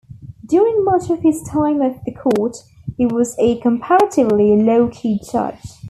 During much of his time of the Court, he was a comparatively low-key judge.